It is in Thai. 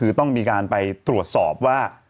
คือต้องมีการไปตรวจสอบว่า